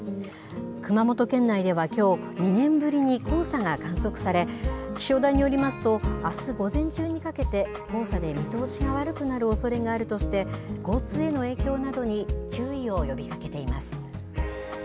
熊本県内ではきょう、２年ぶりに黄砂が観測され、気象台によりますと、あす午前中にかけて、黄砂で見通しが悪くなるおそれがあるとして、交通への影響などに注意を呼びかけています。